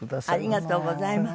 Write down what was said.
ありがとうございます。